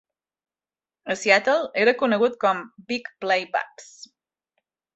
A Seattle, era conegut com "Big Play Babs".